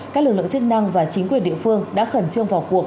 các lực lượng chức năng và chính quyền địa phương đã khẩn trương vào cuộc